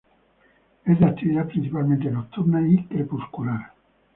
Es de actividad principalmente nocturna y crepuscular.